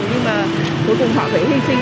nhưng mà cuối cùng họ phải hình sinh